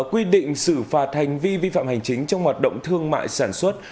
quy định xử phạt hành vi vi phạm hành chính trong hoạt động thương mại sản xuất